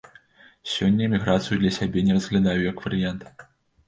Сёння эміграцыю для сябе не разглядаю як варыянт.